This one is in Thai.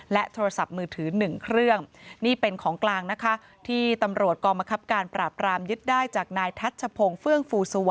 และโทรศัพท์มือถือ๑เครื่อง